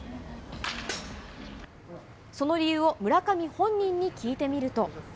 その理由を、村上本人に聞いてみると。